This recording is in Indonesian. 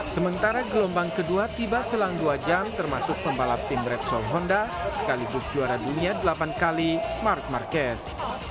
sementara gelombang kedua tiba selang dua jam termasuk pembalap tim repsol honda sekaligus juara dunia delapan kali mark marquez